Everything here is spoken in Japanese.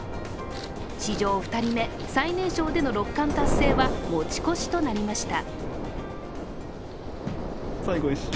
史上２人目、最年少での六冠達成は持ち越しとなりました。